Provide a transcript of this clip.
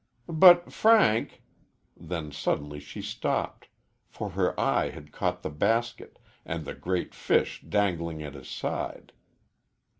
"But, Frank " then suddenly she stopped, for her eye had caught the basket, and the great fish dangling at his side.